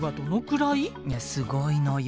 いやすごいのよ。